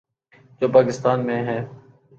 جو پاکستان میں ہے۔